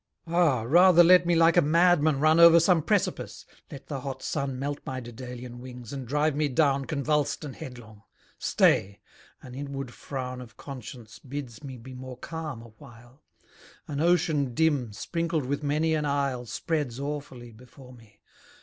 Ah! rather let me like a madman run Over some precipice; let the hot sun Melt my Dedalian wings, and drive me down Convuls'd and headlong! Stay! an inward frown Of conscience bids me be more calm awhile. An ocean dim, sprinkled with many an isle, Spreads awfully before me.